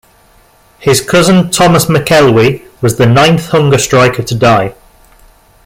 His cousin Thomas McElwee was the ninth hunger striker to die.